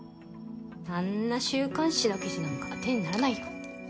あんな週刊誌の記事なんか当てにならないよ。